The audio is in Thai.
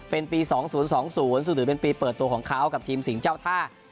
เป็นปี๒๐๒๐ซึ่งถือเป็นปีเปิดตัวของเขากับทีมสิงห์เจ้าท่า